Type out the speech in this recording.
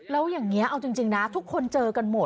แล้วอย่างนี้เอาจริงนะทุกคนเจอกันหมด